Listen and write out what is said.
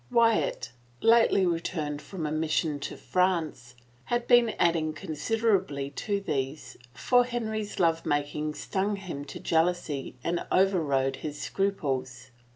Wyatt, lately returned from a mission to France, had been adding considerably to these, for Henry's love making stung him to jealousy and over rode his scruples.